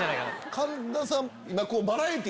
神田さん。